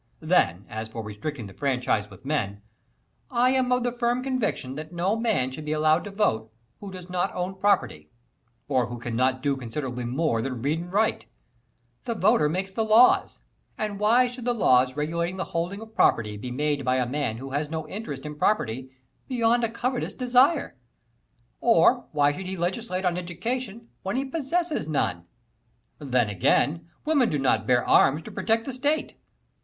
Then as for restricting the franchise with men, I am of the firm conviction that no man should be allowed to vote who does not own property, or who can not do considerably more than read and write. The voter makes the laws, and why should the laws regulating the holding of property be made by a man who has no interest in property beyond a covetous desire; or why should he legislate on education when he possesses none! Then again, women do not bear arms to protect the State."